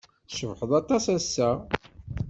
Tcebḥed aṭas ass-a.